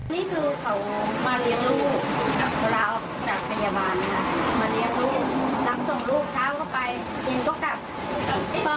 นี่คือเขามาเลี้ยงลูกเราจากพยาบาล